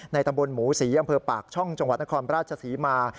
ตำบลหมูศรีอำเภอปากช่องจังหวัดนครราชศรีมา